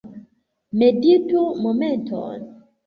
Meditu momenton.